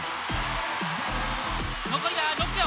残りが６秒。